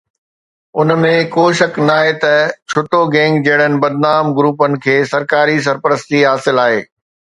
ان ۾ ڪو شڪ ناهي ته ڇٽو گينگ جهڙن بدنام گروپن کي سرڪاري سرپرستي حاصل آهي